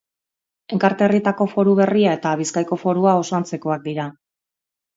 Enkarterrietako Foru Berria eta Bizkaiko Forua oso antzekoak dira.